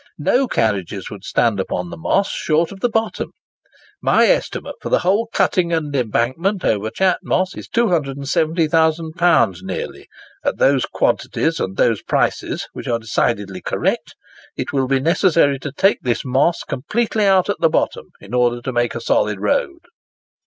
No carriages would stand upon the Moss short of the bottom. My estimate for the whole cutting and embankment over Chat Moss is £270,000 nearly, at those quantities and those prices which are decidedly correct ... It will be necessary to take this Moss completely out at the bottom, in order to make a solid road."